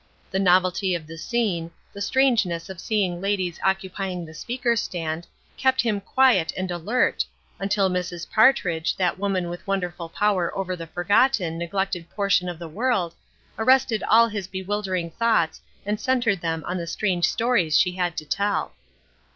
The novelty of the scene, the strangeness of seeing ladies occupying the speaker's stand, kept him quiet and alert, until Mrs. Partridge, that woman with wonderful power over the forgotten, neglected portion of the world, arrested all his bewildering thoughts and centered them on the strange stories she had to tell.